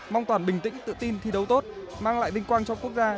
mong toàn bình tĩnh tự tin thi đấu tốt mang lại vinh quang cho quốc gia